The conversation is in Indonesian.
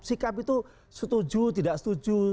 sikap itu setuju tidak setuju